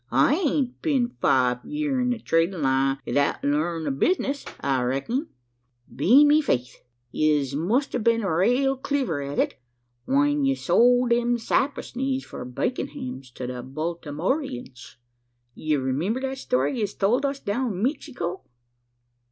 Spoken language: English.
I hain't been five year in the tradin' line 'ithout lernin' the bizness, I recking." "Be me faith! yez must have been raal cliver at it, whin ye sowld them cypress knees for bacon hams to the Bawltemoreans. You remimber that story yez towld us down in Mixico?"